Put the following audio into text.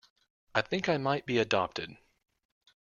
I think I might be adopted.